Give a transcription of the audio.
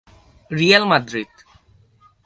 Real Madrid